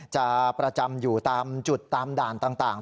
จะประจำอยู่ตามจุดตามด่านต่าง